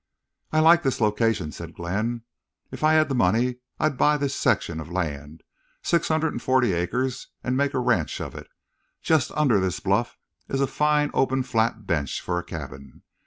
"I like this location," said Glenn. "If I had the money I'd buy this section of land—six hundred and forty acres—and make a ranch of it. Just under this bluff is a fine open flat bench for a cabin.